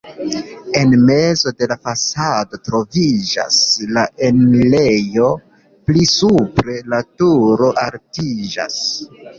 En mezo de la fasado troviĝas la enirejo, pli supre la turo altiĝas.